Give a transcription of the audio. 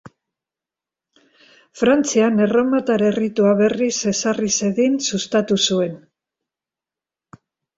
Frantzian erromatar erritua berriz ezarri zedin sustatu zuen.